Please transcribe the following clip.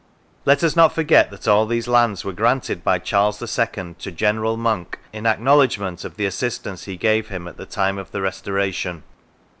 Let us not forget that all these lands were granted by Charles II. to General Monk, in acknowledgment of the assistance he gave him at the time of the Restoration.